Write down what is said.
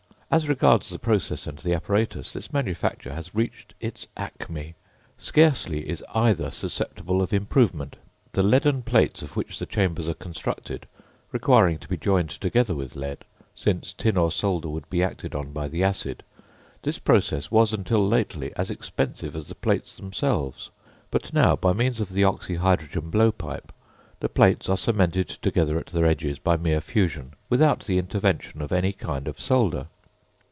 As regards the process and the apparatus, this manufacture has reached its acme scarcely is either susceptible of improvement. The leaden plates of which the chambers are constructed, requiring to be joined together with lead (since tin or solder would be acted on by the acid), this process was, until lately, as expensive as the plates themselves; but now, by means of the oxy hydrogen blowpipe, the plates are cemented together at their edges by mere fusion, without the intervention of any kind of solder.